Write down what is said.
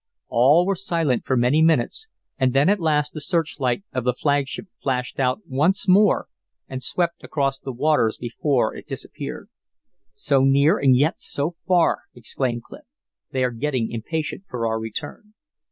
All were silent for many minutes, and then at last the searchlight of the flagship flashed out once more and swept across the waters before it disappeared. "So near and yet so far," exclaimed Clif. "They are getting impatient for our return."